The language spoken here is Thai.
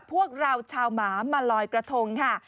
พวกเราชาวหมามาลอยกระทงค่ะ